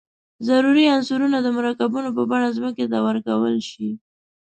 ضروري عنصرونه د مرکبونو په بڼه ځمکې ته ورکول شي.